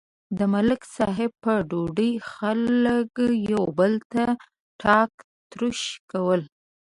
د ملک صاحب په ډوډۍ خلک یو بل ته ټاک تروش کول.